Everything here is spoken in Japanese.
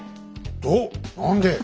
どう何で！